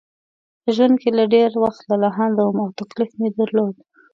په ژوند کې له ډېر وخته لالهانده وم او تکلیف مې درلود.